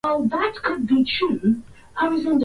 Tunahitaji usaidizi hapa